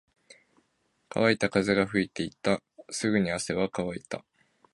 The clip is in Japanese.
乾いた風が吹いていた。すぐに汗は乾いた。